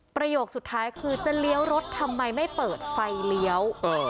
ประโยคสุดท้ายคือจะเลี้ยวรถทำไมไม่เปิดไฟเลี้ยว